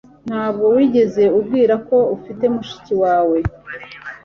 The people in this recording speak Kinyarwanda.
Ntabwo wigeze umbwira ko ufite mushiki wawe